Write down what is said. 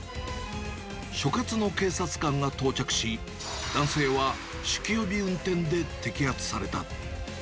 所轄の警察官が到着し、男性は酒気帯び運転で摘発された。